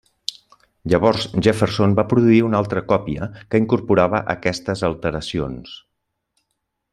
Llavors Jefferson va produir una altra còpia que incorporava aquestes alteracions.